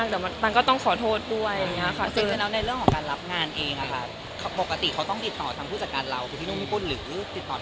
จริงเนี่ยหนูก็เขียนไว้อยู่